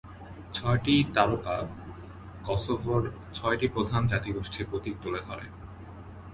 ছয়টি তারকা কসোভোর ছয়টি প্রধান জাতিগোষ্ঠীর প্রতীক তুলে ধরে।